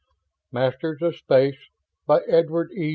MASTERS OF SPACE BY EDWARD E.